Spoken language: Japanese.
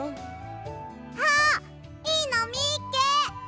あっいいのみっけ！